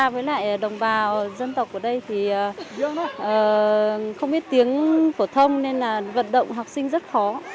với lại đồng bào dân tộc ở đây thì không biết tiếng phổ thông nên là vận động học sinh rất khó